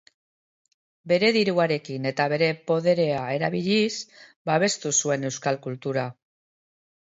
Bere diruarekin eta bere poderea erabiliz, babestu zuen euskal kultura.